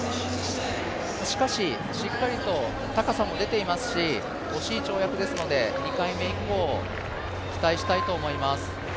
しかし、しっかりと高さも出ていますし、惜しい跳躍ですので、２回目以降、期待したいと思います。